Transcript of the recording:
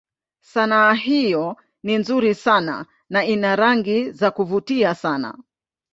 Sanaa hiyo ni nzuri sana na ina rangi za kuvutia sana.